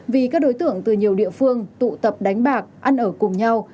vì các đối tượng từ nhiều địa phương tụ tập đánh bạc ăn ở cùng nhau